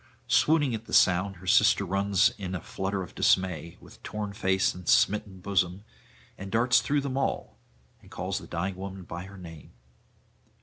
Swooning at the sound, her sister runs in a flutter of dismay, with torn face and smitten bosom, and darts through them all, and calls the dying woman by her name.